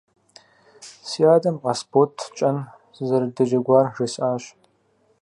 Си адэм Къасбот кӀэн сызэрыдэджэгуар жесӀащ.